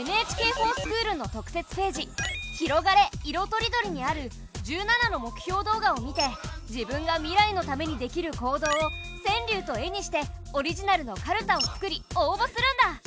「ＮＨＫｆｏｒＳｃｈｏｏｌ」の特設ページ「ひろがれ！いろとりどり」にある１７の目標動画を見て自分が未来のためにできる行動を川柳と絵にしてオリジナルのかるたを作り応ぼするんだ！